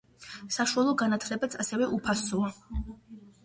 საშუალო განათლებაც ასევე უფასოა.